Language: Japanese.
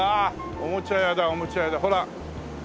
おもちゃ屋だおもちゃ屋だほら。